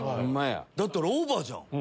だったらオーバーじゃん。